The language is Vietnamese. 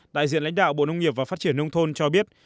đại diện lãnh đạo bộ nông nghiệp và phát triển nông thôn cho biết